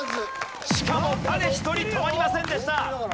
しかも誰一人止まりませんでした。